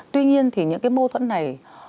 tuy nhiên thì những cái mâu thuẫn này